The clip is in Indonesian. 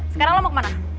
sekarang lo mau kemana